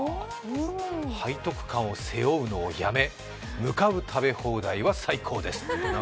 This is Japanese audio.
背徳感を背負うのを辞め向かう食べ放題は最高です。